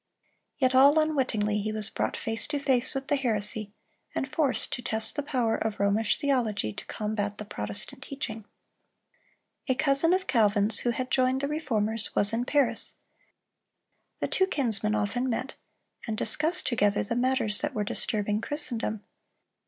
Yet all unwittingly he was brought face to face with the heresy, and forced to test the power of Romish theology to combat the Protestant teaching. A cousin of Calvin's, who had joined the Reformers, was in Paris. The two kinsmen often met, and discussed together the matters that were disturbing Christendom.